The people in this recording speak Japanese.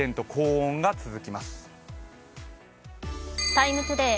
「ＴＩＭＥ，ＴＯＤＡＹ」